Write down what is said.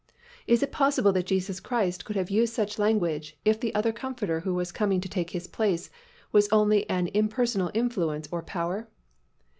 Is it possible that Jesus Christ could have used such language if the other Comforter who was coming to take His place was only an impersonal influence or power?